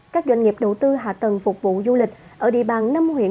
các doanh nghiệp đầu tư hạ tầng phục vụ du lịch ở địa bàn năm huyện